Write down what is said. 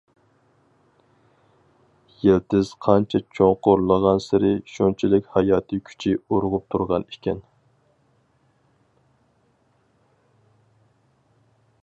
يىلتىز قانچە چوڭقۇرلىغانسېرى، شۇنچىلىك ھاياتىي كۈچى ئۇرغۇپ تۇرغان ئىكەن.